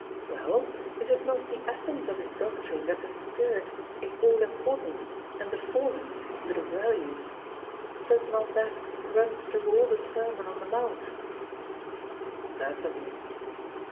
"Well, is it not the essence of His doctrine that the spirit is all important, and the forms of little value? Does not that run through all the Sermon on the Mount?" "Certainly."